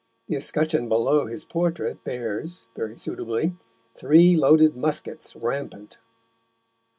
The escutcheon below his portrait bears, very suitably, three loaded muskets rampant.